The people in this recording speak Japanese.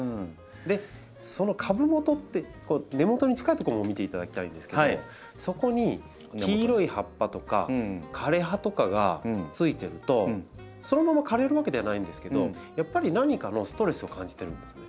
その株元って根元に近いとこも見ていただきたいんですけどもそこに黄色い葉っぱとか枯れ葉とかがついてるとそのまま枯れるわけではないんですけどやっぱり何かのストレスを感じてるんですね。